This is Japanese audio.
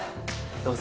どうぞ。